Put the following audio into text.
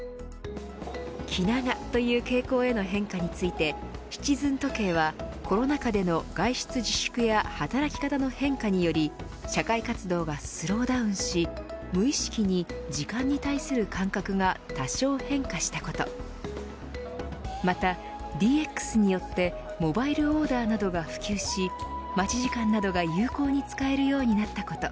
気長という傾向への変化についてシチズン時計はコロナ禍での外出自粛や働き方の変化により社会活動がスローダウンし無意識に時間に対する感覚が多少変化したことまた、ＤＸによってモバイルオーダーなどが普及し待ち時間などが有効に使えるようになったこと。